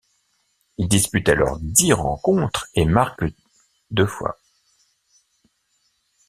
Il dispute alors dix rencontres et marque deux fois.